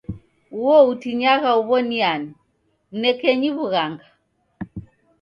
Uo utinyagha huw'o ni ani? Mnekenyi w'ughanga.